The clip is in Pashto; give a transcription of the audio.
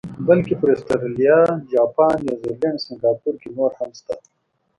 بلکې پر اسټرالیا، جاپان، نیوزیلینډ، سنګاپور کې نور هم شته.